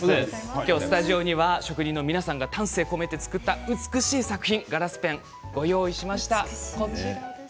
今日スタジオには職人の皆さんが丹精込めて作った美しい作品、ガラスペンをご用意しました。